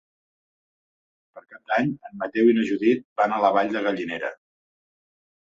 Per Cap d'Any en Mateu i na Judit van a la Vall de Gallinera.